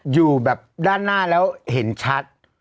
อยู่แบบด้านหน้าแล้วเห็นชัด